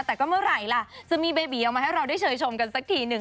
แต่ก็เมื่อไหร่ล่ะจะมีเบบีออกมาให้เราได้เชยชมกันสักทีหนึ่ง